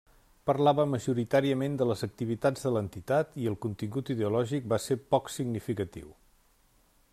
Parlava majoritàriament de les activitats de l'entitat i el contingut ideològic va ser poc significatiu.